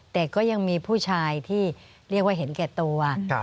แต่ก็ยังมีผู้ชายที่เรียกว่าเห็นแก่ตัว